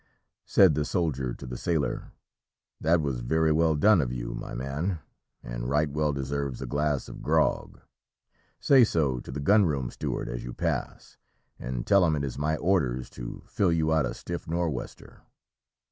Said the soldier to the sailor, "That was very well done of you, my man, and right well deserves a glass of grog. Say so to the gun room steward as you pass; and tell him it is my orders to fill you out a stiff nor wester."